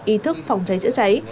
ý thức phòng cháy chữa cháy